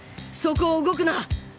そこを動くな！